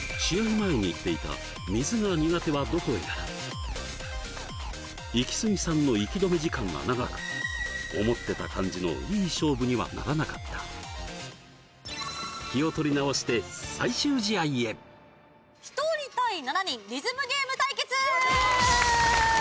前に言っていたイキスギさんの息止め時間が長く思ってた感じのいい勝負にはならなかった気を取り直して最終試合へ１人対７人リズムゲーム対決！